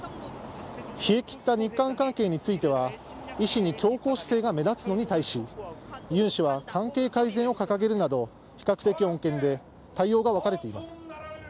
冷え切った日韓関係については、イ氏に強硬姿勢が目立つのに対し、ユン氏は関係改善を掲げるなど、比較的穏健で、対応が分かれています。